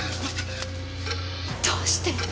どうして？